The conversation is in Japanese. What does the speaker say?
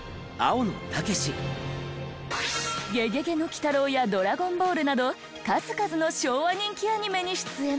『ゲゲゲの鬼太郎』や『ドラゴンボール』など数々の昭和人気アニメに出演。